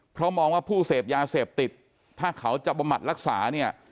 เพราะมองว่าผู้เสพยาเสพติดถ้าเขาจะบำบัดรักษาเนี่ย